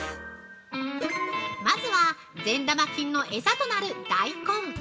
まずは善玉菌の餌となる大根。